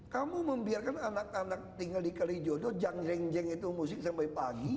kamu membiarkan anak anak tinggal di kalijodo jangjeng jang itu musik sampai pagi